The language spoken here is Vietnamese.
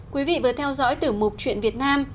quý vị vừa theo dõi tiểu mục chuyện việt nam